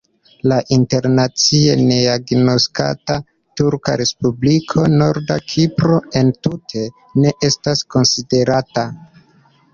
La internacie neagnoskata turka respubliko Nord-Kipro entute ne estas konsiderata.